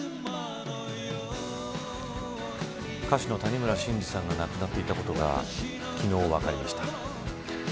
歌手の谷村新司さんが亡くなっていたことが昨日、分かりました。